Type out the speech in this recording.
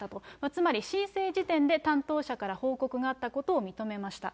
つまり、申請時点で担当者から報告があったことを認めました。